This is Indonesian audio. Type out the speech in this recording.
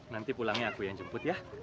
nanti pulangnya aku yang jemput ya